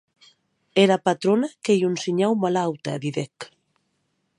Era patrona qu’ei un shinhau malauta, didec.